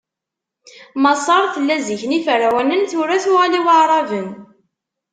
Maṣer tella zik n Yiferɛunen, tura tuɣal i Waɛraben.